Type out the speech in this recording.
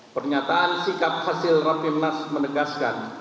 pernyataan sikap hasil raffi mas menegaskan